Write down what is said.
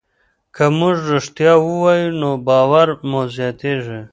که موږ ریښتیا ووایو نو باور مو زیاتېږي.